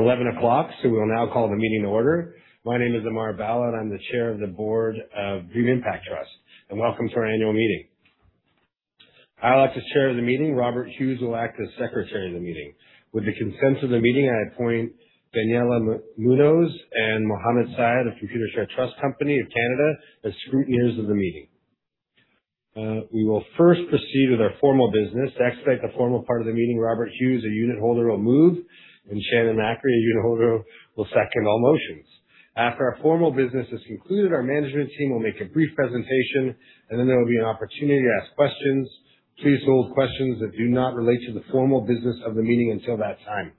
It's 11:00 A.M., so we will now call the meeting to order. My name is Amar Bhalla, and I'm the chair of the board of Dream Impact Trust, and welcome to our annual meeting. I'll act as chair of the meeting. Robert Hughes will act as secretary of the meeting. With the consent of the meeting, I appoint Daniela Munoz and Mohammed Sayed of Computershare Trust Company of Canada as scrutineers of the meeting. We will first proceed with our formal business. I expect the formal part of the meeting, Robert Hughes, a Unitholder, will move, and Shannon Macri, a Unitholder, will second all motions. After our formal business is concluded, our management team will make a brief presentation, and then there will be an opportunity to ask questions. Please hold questions that do not relate to the formal business of the meeting until that time.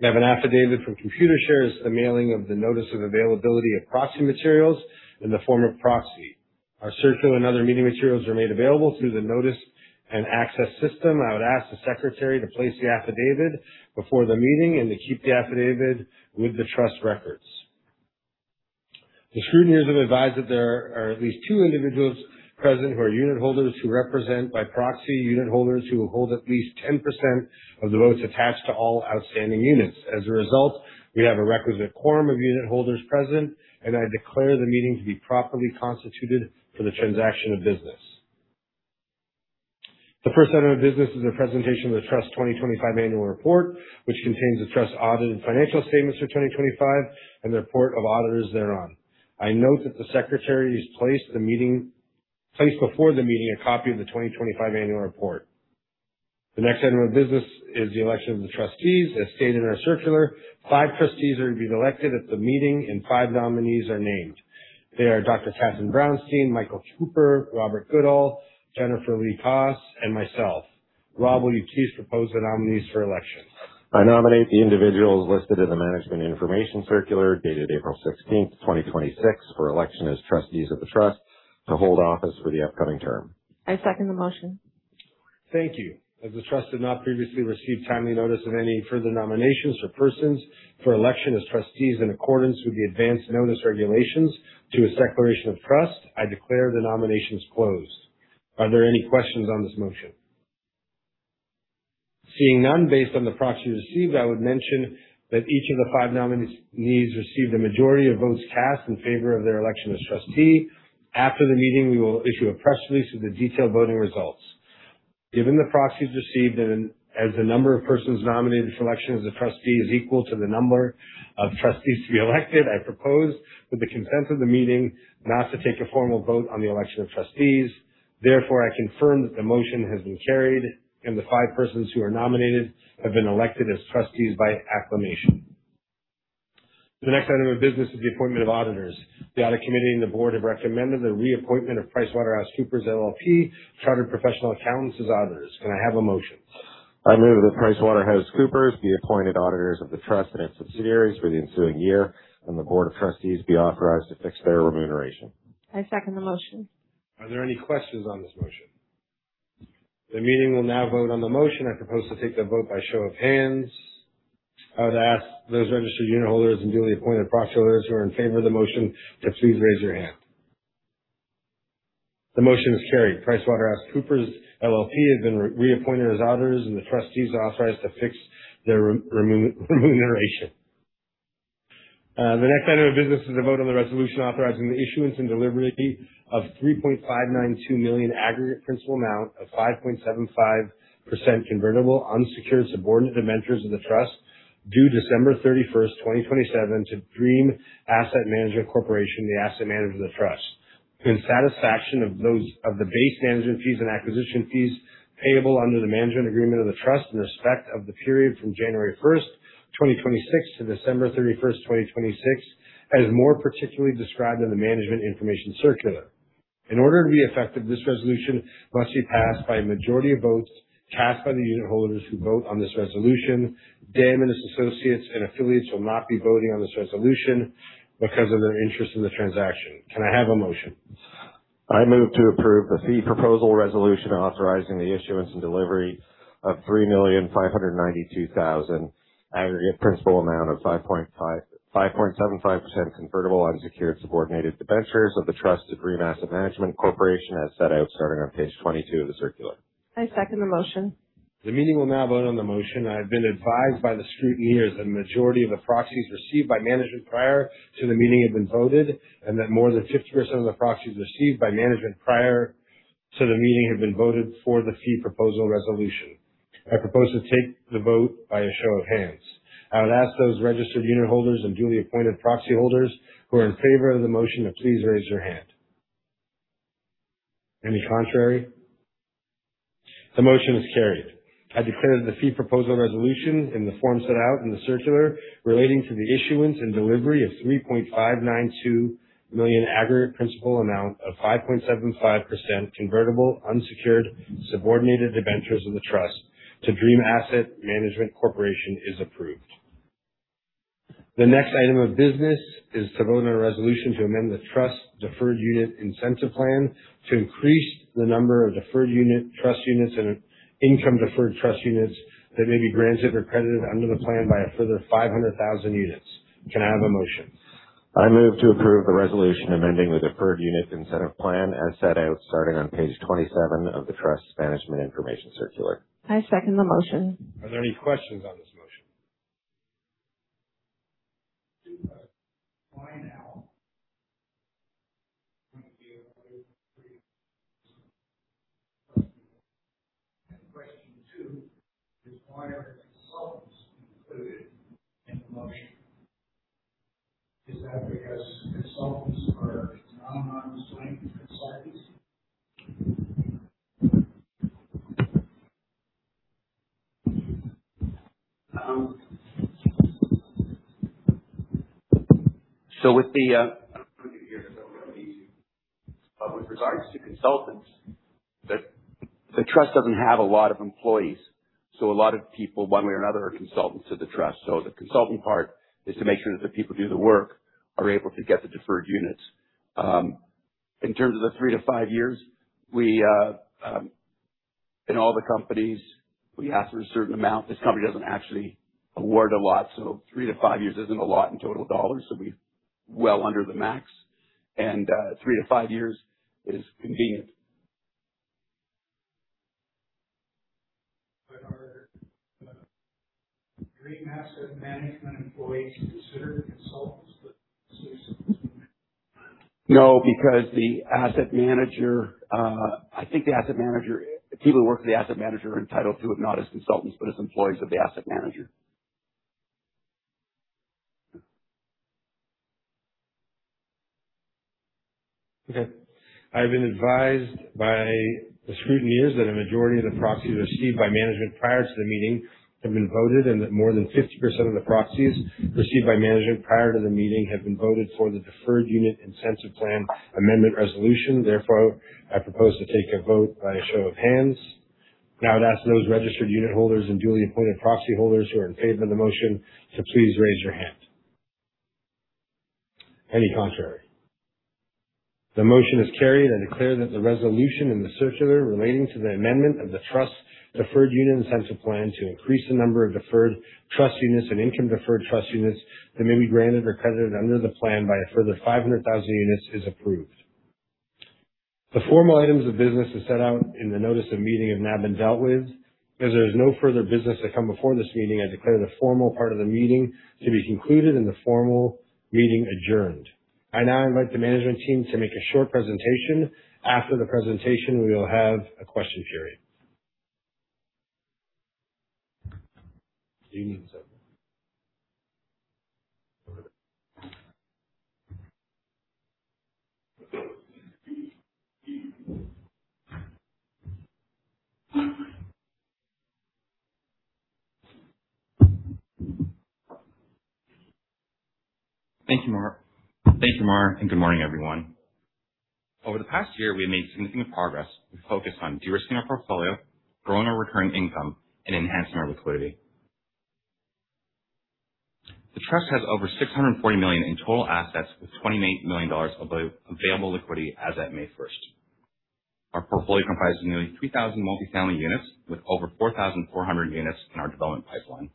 We have an affidavit from Computershare as to the mailing of the notice of availability of proxy materials in the form of proxy. Our circular and other meeting materials are made available through the notice and access system. I would ask the secretary to place the affidavit before the meeting and to keep the affidavit with the Trust records. The scrutineers have advised that there are at least two individuals present who are unitholders who represent by proxy unitholders who hold at least 10% of the votes attached to all outstanding units. As a result, we have a requisite quorum of unitholders present, and I declare the meeting to be properly constituted for the transaction of business. The first item of business is a presentation of the Trust 2025 annual report, which contains the Trust audited financial statements for 2025 and the report of auditors thereon. I note that the secretary has placed before the meeting, a copy of the 2025 annual report. The next item of business is the election of the trustees. As stated in our circular, five trustees are to be elected at the meeting, and five nominees are named. They are Dr. Catherine Brownstein, Michael Cooper, Robert Goodall, Jennifer Lee Koss, and myself. Rob, will you please propose the nominees for election? I nominate the individuals listed in the management information circular dated April 16th, 2026, for election as trustees of the trust to hold office for the upcoming term. I second the motion. Thank you. As the trust had not previously received timely notice of any further nominations for persons for election as trustees in accordance with the advance notice regulations to a declaration of trust, I declare the nominations closed. Are there any questions on this motion? Seeing none, based on the proxies received, I would mention that each of the five nominees received a majority of votes cast in favor of their election as trustee. After the meeting, we will issue a press release of the detailed voting results. Given the proxies received and as the number of persons nominated for election as a trustee is equal to the number of trustees to be elected, I propose with the consent of the meeting not to take a formal vote on the election of trustees. Therefore, I confirm that the motion has been carried, and the five persons who are nominated have been elected as trustees by acclamation. The next item of business is the appointment of auditors. The audit committee and the board have recommended the reappointment of PricewaterhouseCoopers LLP, chartered professional accountants as auditors. Can I have a motion? I move that PricewaterhouseCoopers be appointed auditors of the trust and its subsidiaries for the ensuing year and the Board of Trustees be authorized to fix their remuneration. I second the motion. Are there any questions on this motion? The meeting will now vote on the motion. I propose to take that vote by show of hands. I would ask those registered unitholders and duly appointed proxy holders who are in favor of the motion to please raise your hand. The motion is carried. PricewaterhouseCoopers LLP has been reappointed as auditors, and the trustees are authorized to fix their remuneration. The next item of business is a vote on the resolution authorizing the issuance and delivery of 3.592 million aggregate principal amount of 5.75% convertible unsecured subordinate debentures of the trust due December 31st, 2027 to Dream Asset Management Corporation, the asset manager of the trust. In satisfaction of the base management fees and acquisition fees payable under the management agreement of the trust in respect of the period from January 1st, 2026 to December 31st, 2026, as more particularly described in the management information circular. In order to be effective, this resolution must be passed by a majority of votes cast by the unitholders who vote on this resolution. Dan and his associates and affiliates will not be voting on this resolution because of their interest in the transaction. Can I have a motion? I move to approve the fee proposal resolution authorizing the issuance and delivery of 3,592,000 aggregate principal amount of 5.75% convertible unsecured subordinated debentures of the trust to Dream Asset Management Corporation as set out starting on page 22 of the circular. I second the motion. The meeting will now vote on the motion. I have been advised by the scrutineers that the majority of the proxies received by management prior to the meeting have been voted, and that more than 50% of the proxies received by management prior to the meeting have been voted for the fee proposal resolution. I propose to take the vote by a show of hands. I would ask those registered unitholders and duly appointed proxy holders who are in favor of the motion to please raise their hand. Any contrary? The motion is carried. I declare that the fee proposal resolution in the form set out in the circular relating to the issuance and delivery of 3.592 million aggregate principal amount of 5.75% convertible unsecured subordinated debentures of the trust to Dream Asset Management Corporation is approved. The next item of business is to vote on a resolution to amend the Trust Deferred Unit Incentive Plan to increase the number of Deferred Unit Trust Units and Income Deferred Trust Units that may be granted or credited under the plan by a further 500,000 units. Can I have a motion? I move to approve the resolution amending the deferred unit incentive plan as set out starting on page 27 of the Trust's Management Information Circular. I second the motion. Are there any questions on this motion? Why now? Thank you. Question two, is why are consultants included in the motion? Is that because consultants are non-strength societies? With the regards to consultants, the trust doesn't have a lot of employees, so a lot of people, one way or another, are consultants to the trust. The consulting part is to make sure that the people who do the work are able to get the deferred units. In terms of the three-five years, in all the companies, we ask for a certain amount. This company doesn't actually award a lot, so three-five years isn't a lot in total CAD, so we're well under the max, and 3-5 years is convenient. Are Dream Asset Management employees considered consultants with? No, because the people who work for the asset manager are entitled to it, not as consultants, but as employees of the asset manager. Okay. I've been advised by the scrutineers that a majority of the proxies received by management prior to the meeting have been voted, that more than 50% of the proxies received by management prior to the meeting have been voted for the Deferred Unit Incentive Plan Amendment Resolution. I propose to take a vote by a show of hands. I'd ask those registered unitholders and duly appointed proxy holders who are in favor of the motion to please raise your hand. Any contrary. The motion is carried and declared that the resolution in the circular relating to the amendment of the Trust Deferred Unit Incentive Plan to increase the number of deferred trust units and income deferred trust units that may be granted or credited under the plan by a further 500,000 units is approved. The formal items of business as set out in the notice of meeting have now been dealt with. There is no further business to come before this meeting, I declare the formal part of the meeting to be concluded and the formal meeting adjourned. I now invite the management team to make a short presentation. After the presentation, we will have a question period. Do you need a second? Okay. Thank you, Amar. Good morning, everyone. Over the past year, we have made significant progress with focus on de-risking our portfolio, growing our recurring income, and enhancing our liquidity. The trust has over 640 million in total assets with 28 million dollars available liquidity as at May 1st. Our portfolio comprises nearly 3,000 multifamily units with over 4,400 units in our development pipeline.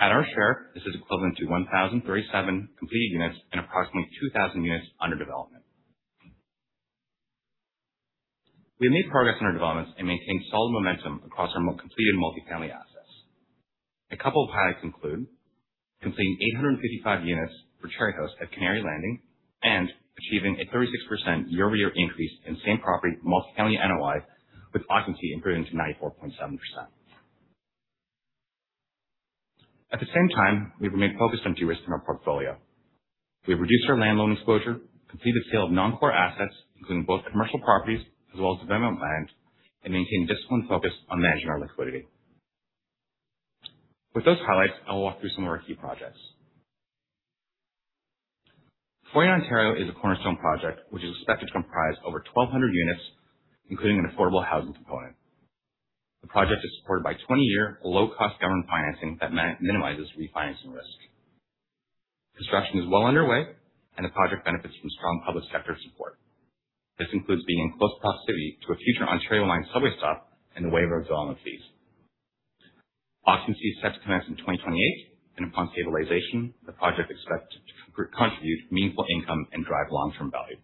At our share, this is equivalent to 1,037 completed units and approximately 2,000 units under development. We have made progress in our developments and maintained solid momentum across our completed multifamily assets. A couple of highlights include completing 855 units for Cherry House at Canary Landing and achieving a 36% year-over-year increase in same property multifamily NOI with occupancy improving to 94.7%. At the same time, we remain focused on de-risking our portfolio. We have reduced our land loan exposure, completed sale of non-core assets, including both commercial properties as well as development land, and maintained discipline focus on managing our liquidity. With those highlights, I will walk through some of our key projects. 49 Ontario is a cornerstone project which is expected to comprise over 1,200 units, including an affordable housing component. The project is supported by 20-year low-cost government financing that minimizes refinancing risk. Construction is well underway, and the project benefits from strong public sector support. This includes being in close proximity to a future Ontario Line subway stop and the waiver of development fees. Occupancy is set to commence in 2028, and upon stabilization, the project is expected to contribute meaningful income and drive long-term value.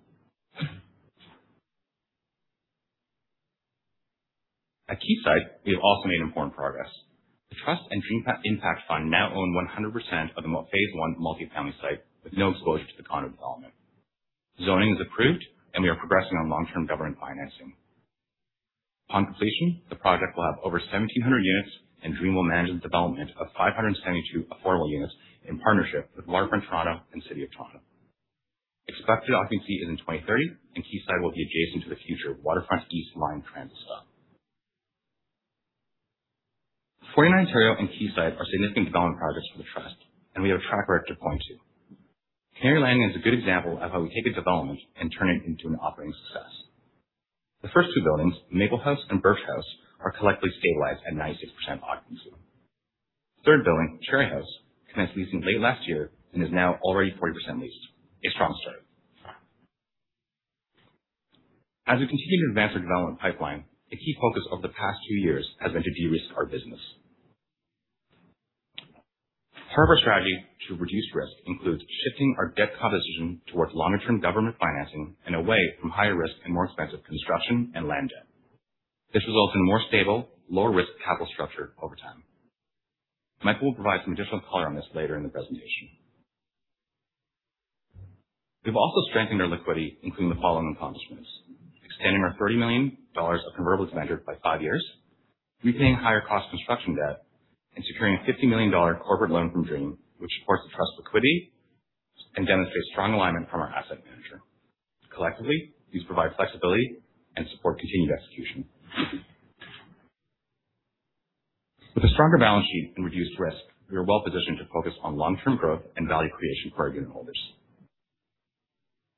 At Quayside, we have also made important progress. The Trust and Dream Impact Fund now own 100% of the phase 1 multifamily site with no exposure to the condo development. Zoning is approved. We are progressing on long-term government financing. Upon completion, the project will have over 1,700 units, and Dream will manage the development of 572 affordable units in partnership with Waterfront Toronto and City of Toronto. Expected occupancy is in 2030, and Quayside will be adjacent to the future Waterfront East Line transit stop. 49 Ontario and Quayside are significant development projects for the Trust, and we have a track record to point to. Canary Landing is a good example of how we take a development and turn it into an operating success. The first two buildings, Maple House and Birch House, are collectively stabilized at 96% occupancy. Third building, Cherry House, commenced leasing late last year and is now already 40% leased. As we continue to advance our development pipeline, the key focus over the past two years has been to de-risk our business. Part of our strategy to reduce risk includes shifting our debt composition towards longer-term government financing and away from higher risk and more expensive construction and land debt. This results in a more stable, lower risk capital structure over time. Michael will provide some additional color on this later in the presentation. We've also strengthened our liquidity, including the following accomplishments: extending our 30 million dollars of convertible demand note by five years, repaying higher cost construction debt, and securing a 50 million dollar corporate loan from Dream, which supports the trust liquidity and demonstrates strong alignment from our asset manager. Collectively, these provide flexibility and support continued execution. With a stronger balance sheet and reduced risk, we are well-positioned to focus on long-term growth and value creation for our unitholders.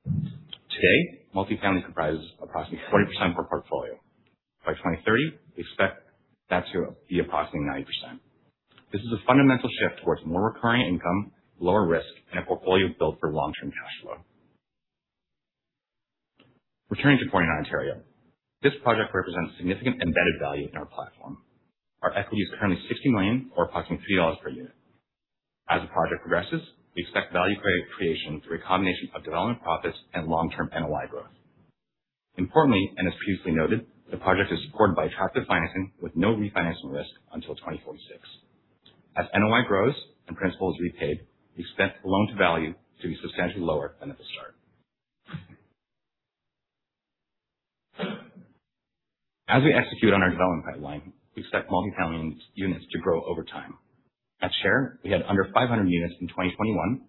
Today, multifamily comprises approximately 40% of our portfolio. By 2030, we expect that to be approximately 90%. This is a fundamental shift towards more recurring income, lower risk, and a portfolio built for long-term cash flow. Returning to 49 Ontario. This project represents significant embedded value in our platform. Our equity is currently 60 million or approximately 3 dollars per unit. As the project progresses, we expect value creation through a combination of development profits and long-term NOI growth. Importantly, and as previously noted, the project is supported by attractive financing with no refinancing risk until 2046. As NOI grows and principal is repaid, we expect the loan-to-value to be substantially lower than at the start. As we execute on our development pipeline, we expect multifamily units to grow over time. At Share, we had under 500 units in 2021,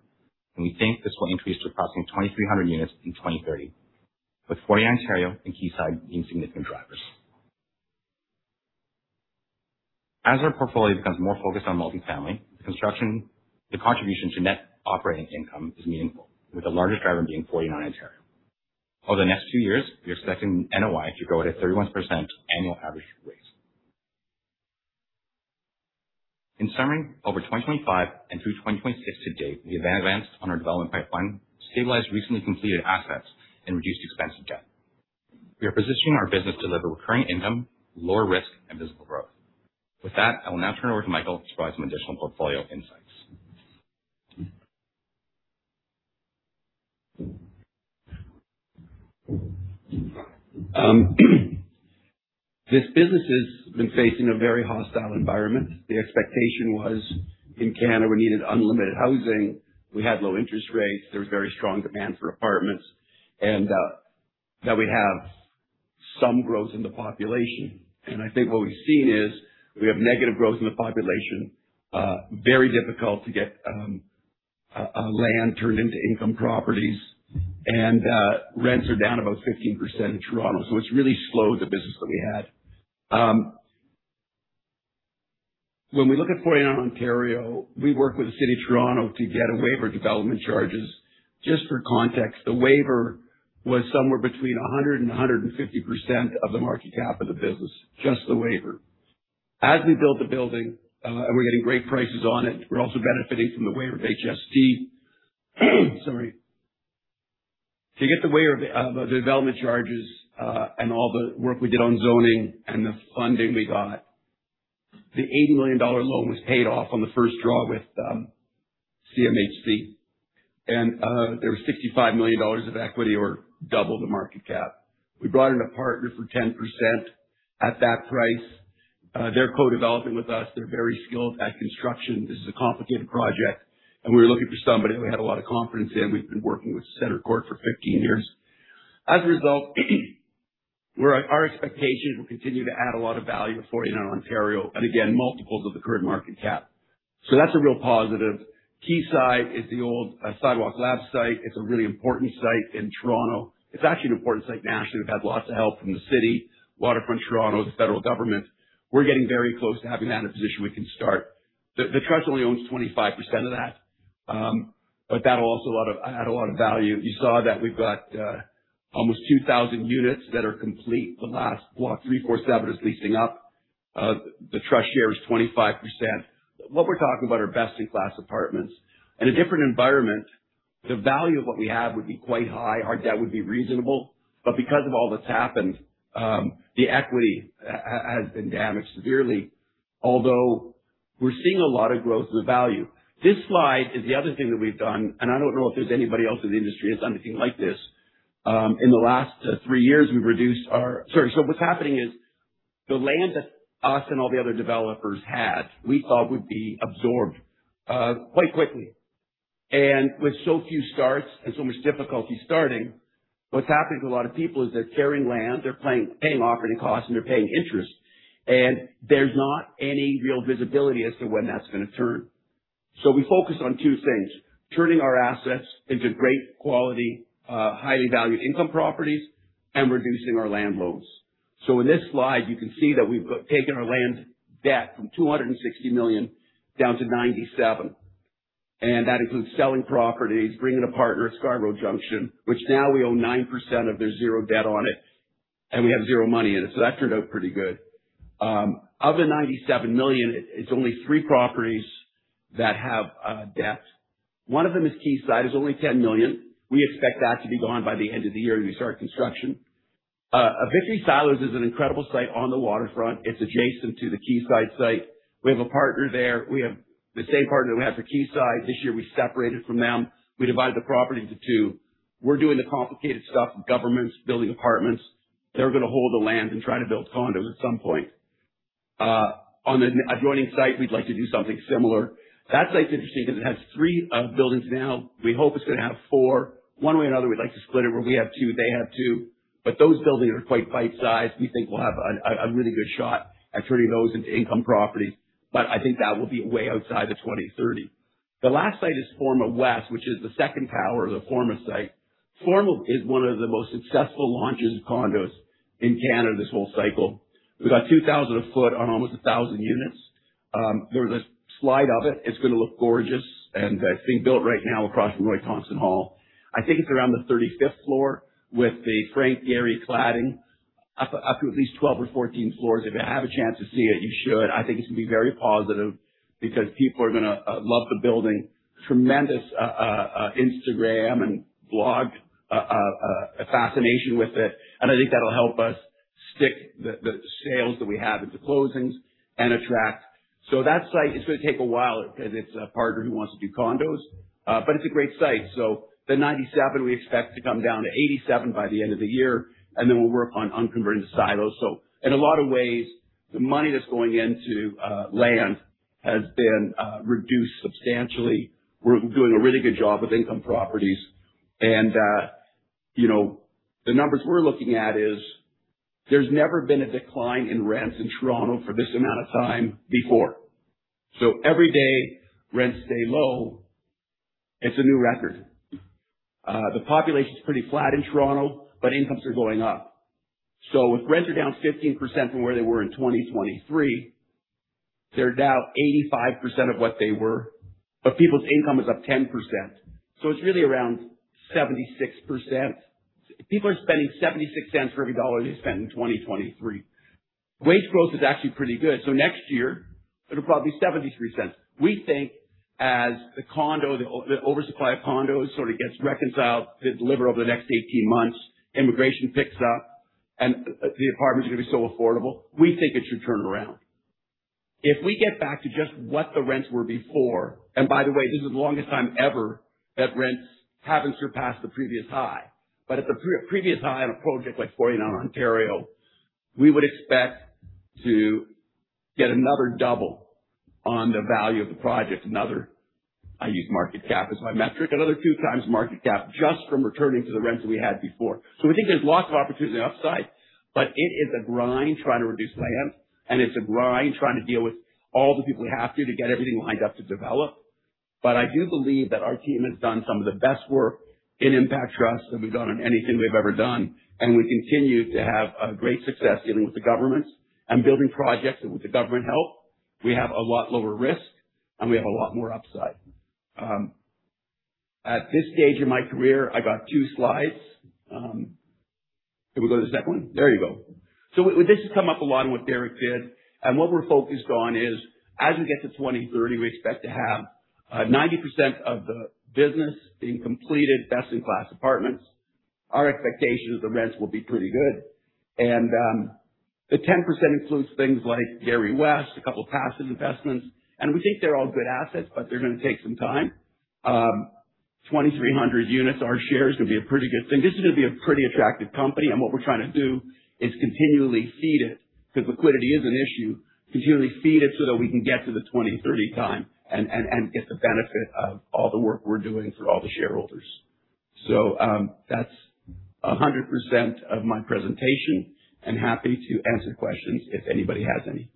and we think this will increase to approximately 2,300 units in 2030, with 49 Ontario and Quayside being significant drivers. As our portfolio becomes more focused on multifamily, the contribution to net operating income is meaningful, with the largest driver being 49 Ontario. Over the next two years, we are expecting NOI to grow at a 31% annual average rate. In summary, over 2025 and through 2026 to date, we have advanced on our development pipeline to stabilize recently completed assets and reduce expensive debt. We are positioning our business to deliver recurring income, lower risk, and visible growth. With that, I will now turn over to Michael to provide some additional portfolio insights. This business has been facing a very hostile environment. The expectation was in Canada we needed unlimited housing, we had low interest rates, there was very strong demand for apartments, and that we have some growth in the population. I think what we've seen is we have negative growth in the population. Very difficult to get land turned into income properties. Rents are down about 15% in Toronto, so it's really slowed the business that we had. When we look at 49 Ontario, we worked with the City of Toronto to get a waiver of development charges. Just for context, the waiver was somewhere between 100% and 150% of the market cap of the business, just the waiver. As we built the building, and we're getting great prices on it, we're also benefiting from the waiver of HST. Sorry. To get the waiver of the development charges, all the work we did on zoning and the funding we got, the 80 million dollar loan was paid off on the first draw with CMHC. There was 65 million dollars of equity or double the market cap. We brought in a partner for 10% at that price. They're co-developing with us. They're very skilled at construction. This is a complicated project, and we were looking for somebody we had a lot of confidence in. We've been working with CentreCourt for 15 years. As a result, our expectation, we'll continue to add a lot of value at 49 Ontario, and again, multiples of the current market cap. That's a real positive. Quayside is the old Sidewalk Labs site. It's a really important site in Toronto. It's actually an important site nationally. We've had lots of help from the city, Waterfront Toronto, the federal government. We're getting very close to having that in a position we can start. The trust only owns 25% of that'll also add a lot of value. You saw that we've got almost 2,000 units that are complete. The last Block 347 is leasing up. The trust share is 25%. What we're talking about are best-in-class apartments. In a different environment, the value of what we have would be quite high. Our debt would be reasonable. Because of all that's happened, the equity has been damaged severely, although we're seeing a lot of growth in the value. This slide is the other thing that we've done, and I don't know if there's anybody else in the industry that's done anything like this. In the last three years, we've reduced our Sorry. What's happening is the land that us and all the other developers had, we thought would be absorbed quite quickly. With so few starts and so much difficulty starting, what's happening to a lot of people is they're carrying land, they're paying operating costs, and they're paying interest, and there's not any real visibility as to when that's going to turn. We focused on two things: turning our assets into great quality, highly valued income properties and reducing our land loans. In this slide, you can see that we've taken our land debt from 260 million down to 97 million. That includes selling properties, bringing a partner at Scarborough Junction, which now we own 9% of, there's zero debt on it, and we have zero money in it. That turned out pretty good. Of the 97 million, it's only three properties that have debt. One of them is Quayside. It's only 10 million. We expect that to be gone by the end of the year when we start construction. Victory Silos is an incredible site on the waterfront. It's adjacent to the Quayside site. We have a partner there. We have the same partner that we have for Quayside. This year, we separated from them. We divided the property into two. We're doing the complicated stuff. Governments building apartments. They're going to hold the land and try to build condos at some point. On an adjoining site, we'd like to do something similar. That site's interesting because it has three buildings now. We hope it's going to have four. One way or another, we'd like to split it where we have two, they have two. Those buildings are quite bite-sized. We think we'll have a really good shot at turning those into income properties. I think that will be way outside the 2030. The last site is Forma West, which is the second tower of the Forma site. Forma is one of the most successful launches of condos in Canada this whole cycle. We got 2,000 a foot on almost 1,000 units. There's a slide of it. It's going to look gorgeous, and it's being built right now across from Roy Thomson Hall. I think it's around the 35th floor with the Frank Gehry cladding up to at least 12 or 14 floors. If you have a chance to see it, you should. I think it's going to be very positive because people are going to love the building. Tremendous Instagram and blog fascination with it. I think that'll help us stick the sales that we have into closings and attract. That site is going to take a while because it's a partner who wants to do condos. It's a great site. The 97, we expect to come down to 87 by the end of the year, and then we'll work on unconverting silos. In a lot of ways, the money that's going into land has been reduced substantially. We're doing a really good job with income properties. The numbers we're looking at is, there's never been a decline in rents in Toronto for this amount of time before. Every day rents stay low, it's a new record. The population's pretty flat in Toronto, incomes are going up. If rents are down 15% from where they were in 2023, they're now 85% of what they were. People's income is up 10%. It's really around 76%. People are spending 0.76 for every dollar they spent in 2023. Wage growth is actually pretty good. Next year, it'll probably be 0.73. We think as the oversupply of condos sort of gets reconciled, they deliver over the next 18 months, immigration picks up, and the apartments are going to be so affordable. We think it should turn around. If we get back to just what the rents were before, and by the way, this is the longest time ever that rents haven't surpassed the previous high. At the previous high on a project like 49 Ontario, we would expect to get another double on the value of the project. I use market cap as my metric. Another 2x market cap just from returning to the rents that we had before. We think there's lots of opportunity on the upside, it is a grind trying to reduce land, and it's a grind trying to deal with all the people we have to get everything lined up to develop. I do believe that our team has done some of the best work in Impact Trust than we've done on anything we've ever done, and we continue to have great success dealing with the governments and building projects and with the government help. We have a lot lower risk, and we have a lot more upside. At this stage in my career, I got two slides. Can we go to the second one? There you go. This has come up a lot with Derrick did. What we're focused on is as we get to 2030, we expect to have 90% of the business being completed, best-in-class apartments. Our expectation is the rents will be pretty good. The 10% includes things like Forma West, a couple of passive investments, and we think they're all good assets, but they're going to take some time. 2,300 units, our shares could be a pretty good thing. This is going to be a pretty attractive company, and what we're trying to do is continually feed it because liquidity is an issue. Continually feed it so that we can get to the 2030 time and get the benefit of all the work we're doing for all the shareholders. That's 100% of my presentation and happy to answer questions if anybody has any.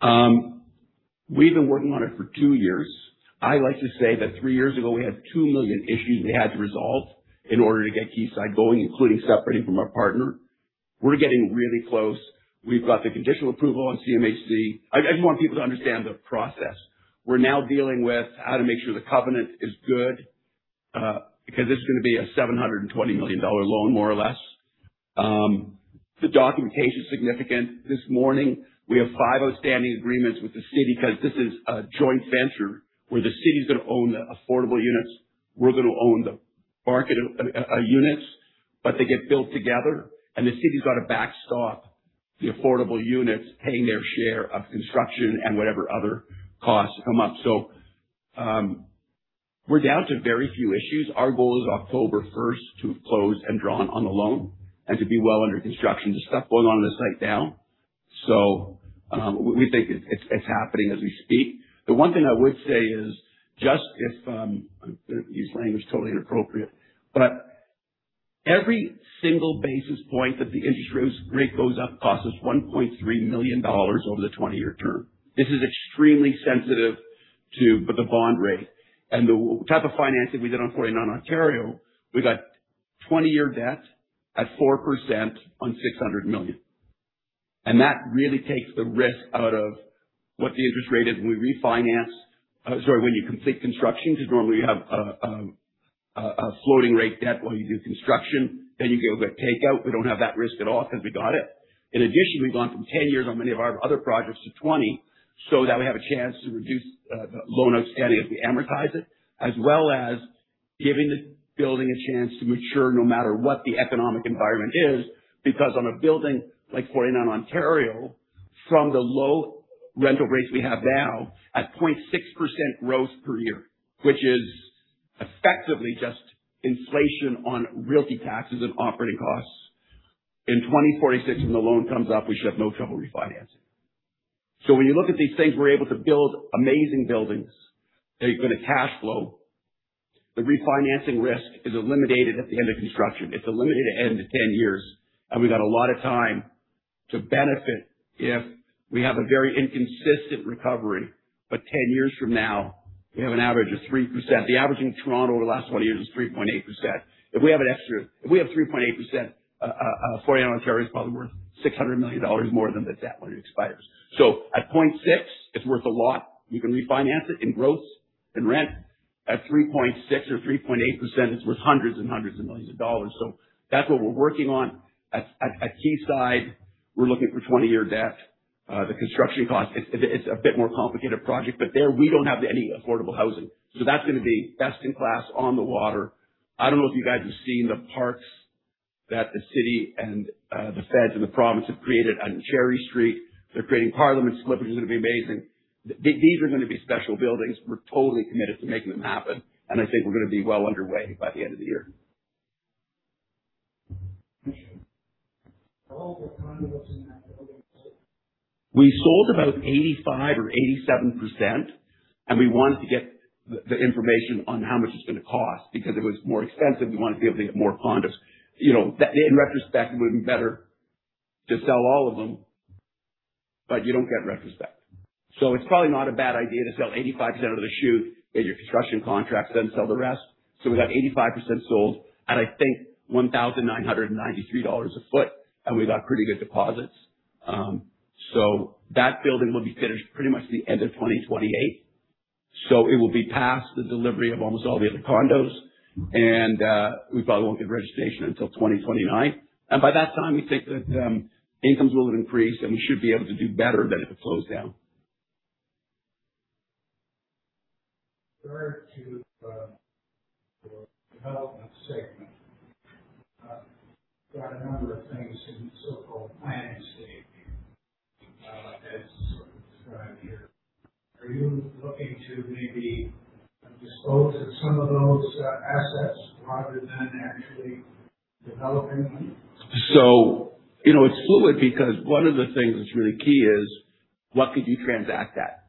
Thanks for that. We've been working on it for two years. I like to say that three years ago, we had 2 million issues we had to resolve in order to get Quayside going, including separating from our partner. We're getting really close. We've got the conditional approval on CMHC. I want people to understand the process. We're now dealing with how to make sure the covenant is good, because this is going to be a 720 million dollar loan, more or less. The documentation is significant. This morning, we have five outstanding agreements with the City because this is a joint venture where the City is going to own the affordable units. We're going to own the market units. They get built together, and the City's got to backstop the affordable units, paying their share of construction and whatever other costs come up. We're down to very few issues. Our goal is October first to have closed and drawn on the loan and to be well under construction. There's stuff going on in the site now. We think it's happening as we speak. The one thing I would say is, use language totally inappropriate, every single basis point that the interest rate goes up costs us 1.3 million dollars over the 20-year term. This is extremely sensitive to the bond rate. The type of financing we did on 49 Ontario, we got 20-year debt at 4% on 600 million. That really takes the risk out of what the interest rate is when we refinance. Sorry, when you complete construction, because normally you have a floating rate debt while you do construction, you go get takeout. We don't have that risk at all because we got it. In addition, we've gone from 10 years on many of our other projects to 20, so that we have a chance to reduce the loan outstanding as we amortize it, as well as giving the building a chance to mature no matter what the economic environment is. Because on a building like 49 Ontario, from the low rental rates we have now, at 0.6% growth per year, which is effectively just inflation on realty taxes and operating costs. In 2046, when the loan comes up, we should have no trouble refinancing. When you look at these things, we're able to build amazing buildings that are going to cash flow. The refinancing risk is eliminated at the end of construction. It's eliminated at the end of 10 years, and we got a lot of time to benefit if we have a very inconsistent recovery. 10 years from now, we have an average of 3%. The average in Toronto over the last 20 years is 3.8%. If we have 3.8%, 49 Ontario is probably worth 600 million dollars more than the debt when it expires. At 0.6, it's worth a lot. You can refinance it in growth and rent. At 3.6 or 3.8%, it's worth hundreds and hundreds of millions of CAD. That's what we're working on. At Quayside, we're looking for 20-year debt. The construction cost, it's a bit more complicated project. There we don't have any affordable housing. That's going to be best in class on the water. I don't know if you guys have seen the parks that the city and the feds and the province have created on Cherry Street. They're creating Parliament Slip, which is going to be amazing. These are going to be special buildings. We're totally committed to making them happen. I think we're going to be well underway by the end of the year. All the condos in that building sold. We sold about 85% or 87%, and we wanted to get the information on how much it's going to cost because it was more expensive. We wanted to be able to get more condos. In retrospect, it would've been better to sell all of them, but you don't get retrospect. It's probably not a bad idea to sell 85% out of the chute, get your construction contracts, then sell the rest. We got 85% sold at I think 1,993 dollars a foot, and we got pretty good deposits. That building will be finished pretty much the end of 2028. It will be past the delivery of almost all the other condos and we probably won't get registration until 2029. By that time, we think that incomes will have increased, and we should be able to do better than if it slows down. Refer to the development segment. Got a number of things in so-called planning stage here, as sort of described here. Are you looking to maybe dispose of some of those assets rather than actually developing them? It's fluid because one of the things that's really key is what could you transact at?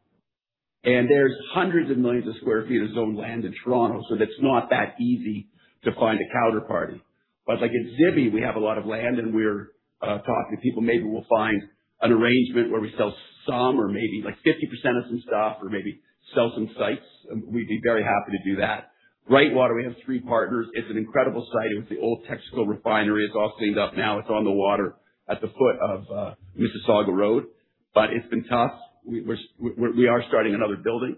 There's hundreds of millions of square feet of zoned land in Toronto, so it's not that easy to find a counterparty. Like at Zibi, we have a lot of land and we're talking to people. Maybe we'll find an arrangement where we sell some or maybe 50% of some stuff or maybe sell some sites. We'd be very happy to do that. Brightwater, we have three partners. It's an incredible site. It was the old Texaco refinery. It's all cleaned up now. It's on the water at the foot of Mississauga Road. It's been tough. We are starting another building.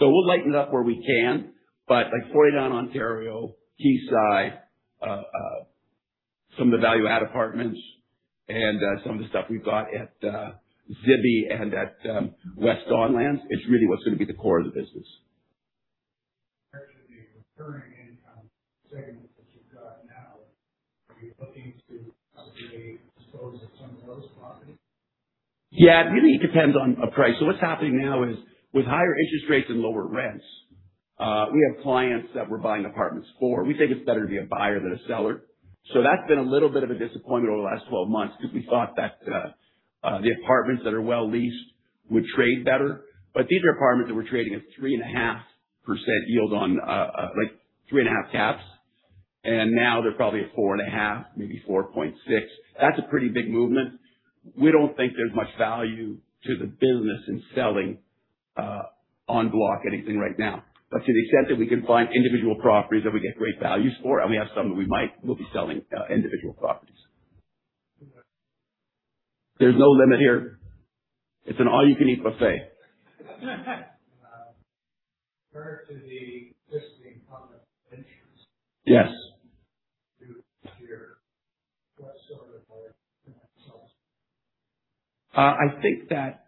We'll lighten up where we can. Like 49 Ontario, Quayside, some of the value-add apartments and some of the stuff we've got at Zibi and at West Don Lands, it's really what's going to be the core of the business. Actually, the recurring income segment that you've got now, are you looking to probably dispose of some of those properties? Yeah. It really depends on price. What's happening now is with higher interest rates and lower rents, we have clients that we're buying apartments for. We think it's better to be a buyer than a seller. That's been a little bit of a disappointment over the last 12 months because we thought that the apartments that are well leased would trade better. These are apartments that were trading at 3.5% yield on, like 3.5% caps, and now they're probably at 4.5%, maybe 4.6%. That's a pretty big movement. We don't think there's much value to the business in selling en bloc anything right now. To the extent that we can find individual properties that we get great values for, and we have some that we might, we'll be selling individual properties. Okay. There's no limit here. It's an all-you-can-eat buffet. Refer to the existing bond debentures. Yes. Due this year. What's sort of. I think that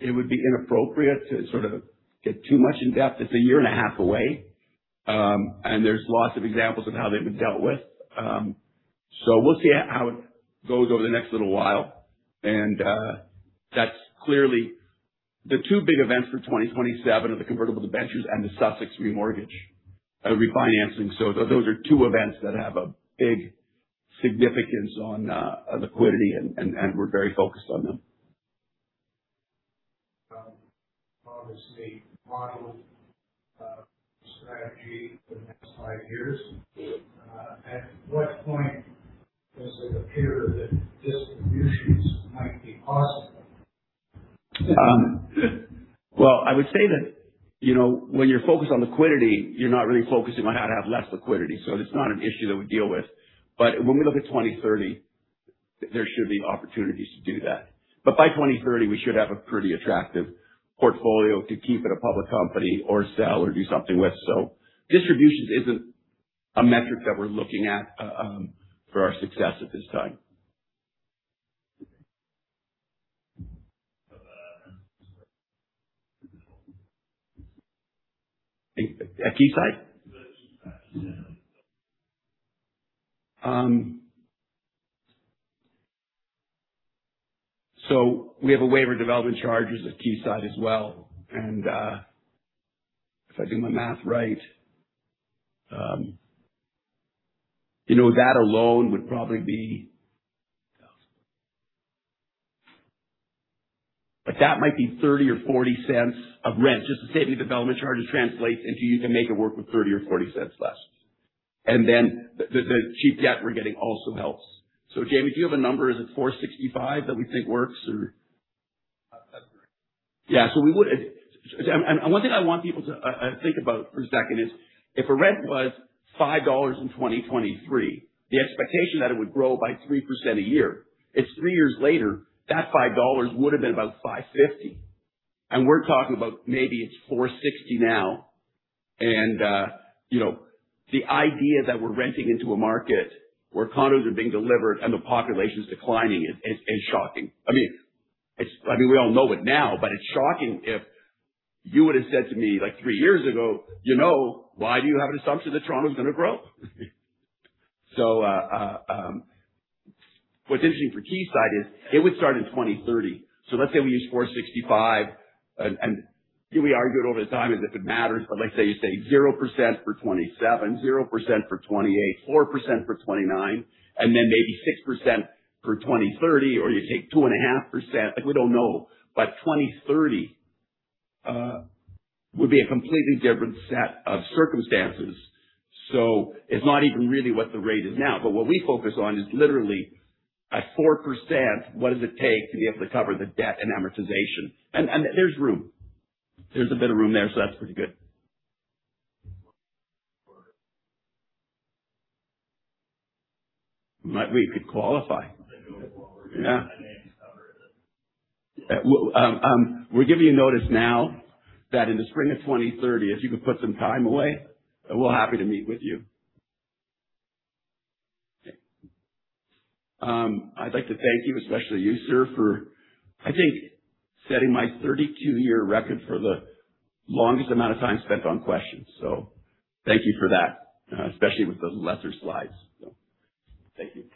it would be inappropriate to sort of get too much in depth. It's a year and a half away. There's lots of examples of how they've been dealt with. We'll see how it goes over the next little while. That's clearly the two big events for 2027 are the convertible debentures and the Sussex remortgage, refinancing. Those are two events that have a big significance on liquidity and we're very focused on them. Obviously, modeled strategy for the next five years. At what point does it appear that distributions might be possible? I would say that when you're focused on liquidity, you're not really focusing on how to have less liquidity. It's not an issue that we deal with. When we look at 2030, there should be opportunities to do that. By 2030, we should have a pretty attractive portfolio to keep it a public company or sell or do something with. Distributions isn't a metric that we're looking at for our success at this time. At Quayside? We have a waiver of development charges at Quayside as well. If I do my math right, that alone might be 0.30 or 0.40 of rent. Just to say any development charges translates into you can make it work with 0.30 or 0.40 less. Then the cheap debt we're getting also helps. Jamie, do you have a number? Is it 465 that we think works or? That's right. Yeah. One thing I want people to think about for a second is if a rent was 5 dollars in 2023, the expectation that it would grow by 3% a year. It's three years later, that 5 dollars would've been about 5.50. We're talking about maybe it's 4.60 now. The idea that we're renting into a market where condos are being delivered and the population's declining is shocking. We all know it now, but it's shocking if you would've said to me three years ago, "Why do you have an assumption that Toronto's going to grow?" What's interesting for Quayside is it would start in 2030. Let's say we use 465, we argue it all the time as if it matters, let's say you say 0% for 2027, 0% for 2028, 4% for 2029, maybe 6% for 2030, or you take 2.5%. We don't know. By 2030 will be a completely different set of circumstances. It's not even really what the rate is now. What we focus on is literally at 4%, what does it take to be able to cover the debt and amortization? There's room. There's a bit of room there, that's pretty good. We could qualify. I know we qualify. Yeah. We'll give you notice now that in the spring of 2030, if you could put some time away, we're happy to meet with you. I'd like to thank you, especially you, sir, for, I think, setting my 32-year record for the longest amount of time spent on questions. Thank you for that, especially with the lesser slides. Thank you.